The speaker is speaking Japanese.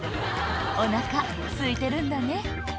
お腹すいてるんだね